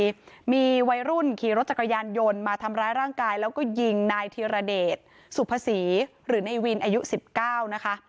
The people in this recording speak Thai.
มีวัยรุ่นขี่รถจักรยานยนต์มาทำร้ายร่างกายแล้วก็ยิงนายธีรเดชสุภาษีหรือในวินอายุ๑๙นะคะ